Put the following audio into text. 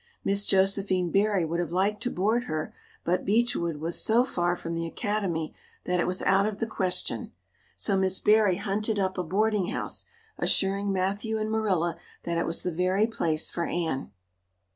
Miss Josephine Barry would have liked to board her, but Beechwood was so far from the Academy that it was out of the question; so Miss Barry hunted up a boarding house, assuring Matthew and Marilla that it was the very place for Anne.